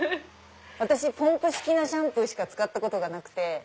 私ポンプ式のシャンプーしか使ったことがなくて。